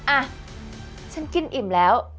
อ่ะฉันกินอิ่มแล้ว